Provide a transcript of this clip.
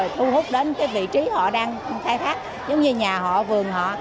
thu hút đến vị trí họ đang thay phát giống như nhà họ vườn họ